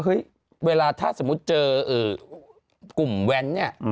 เฮ้ยเวลาถ้าเจอกลุ่มแหว้นเนี่ย